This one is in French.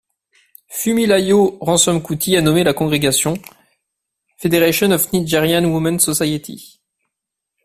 Funmilayo Ransome-Kuti a nommé la congrégation: Federation of Nigerian Women's Society.